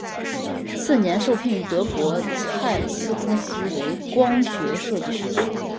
次年受聘于德国蔡司公司为光学设计师。